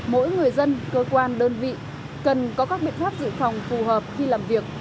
mỗi người dân cơ quan đơn vị cần có các biện pháp dự phòng phù hợp khi làm việc